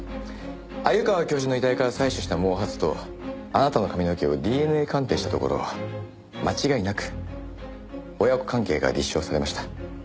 鮎川教授の遺体から採取した毛髪とあなたの髪の毛をＤＮＡ鑑定したところ間違いなく親子関係が立証されました。